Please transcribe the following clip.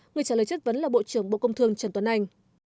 người trả lời chất vấn là bộ trưởng bộ công thương trần tuấn anh